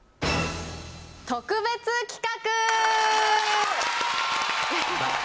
特別企画！